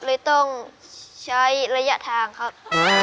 เลยต้องใช้ระยะทางครับ